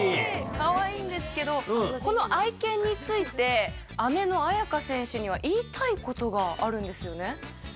かわいいんですけどこの愛犬について姉の亜矢可選手には言いたいことがあるんですよね？